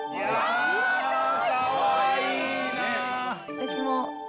私も。